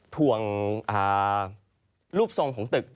ถ่วงรูปทรงของตึก